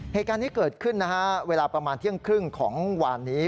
เหตุการณ์นี้เกิดขึ้นนะฮะเวลาประมาณเที่ยงครึ่งของวานนี้